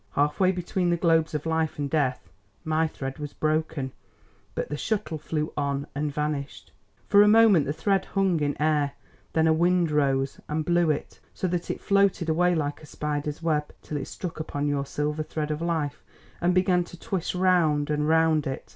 Half way between the globes of Life and Death my thread was broken, but the shuttle flew on and vanished. For a moment the thread hung in air, then a wind rose and blew it, so that it floated away like a spider's web, till it struck upon your silver thread of life and began to twist round and round it.